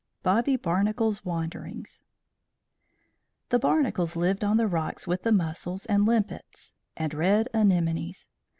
BOBBY BARNACLE'S WANDERINGS The Barnacles lived on the rocks with the Mussels and Limpets and red Anemones.